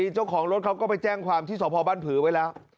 เจ้าของรถเขาก็ไปแจ้งความที่สพบ้านผือไว้แล้ว